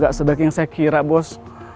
gak sebaik yang saya kira bos